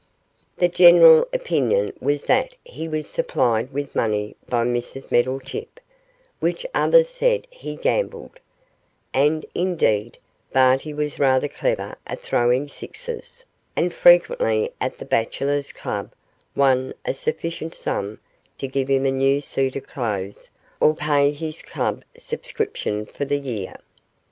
The general opinion was that he was supplied with money by Mrs Meddlechip, while others said he gambled; and, indeed, Barty was rather clever at throwing sixes, and frequently at the Bachelors' Club won a sufficient sum to give him a new suit of clothes or pay his club subscription for the year.